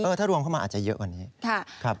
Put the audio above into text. เออถ้ารวมเข้ามาอาจจะเยอะกว่านี้ค่ะครับ